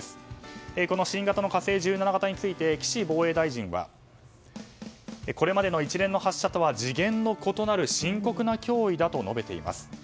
この新型の「火星１７」型について岸防衛大臣はこれまでの一連の発射とは次元の異なる深刻な脅威だと述べています。